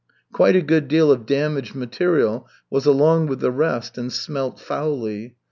Quite a good deal of damaged material was along with the rest and smelt foully.